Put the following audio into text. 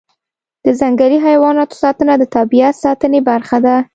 د ځنګلي حیواناتو ساتنه د طبیعت ساتنې برخه ده.